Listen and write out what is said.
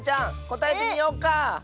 こたえてみようか！